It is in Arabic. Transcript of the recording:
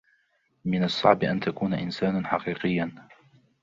من الصعب أن تكون انسانا حقيقيا.